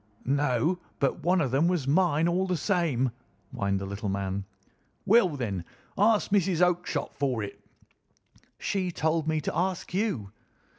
"No; but one of them was mine all the same," whined the little man. "Well, then, ask Mrs. Oakshott for it." "She told me to ask you."